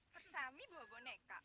persami bawa boneka